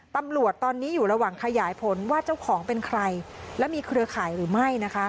ตำรวจตอนนี้อยู่ระหว่างขยายผลว่าเจ้าของเป็นใครและมีเครือข่ายหรือไม่นะคะ